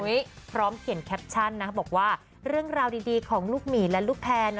ด้วยเหมือนกันพร้อมเขียนแคปชั่นนะบอกว่าเรื่องราวดีดีของลูกหมีและลูกแพน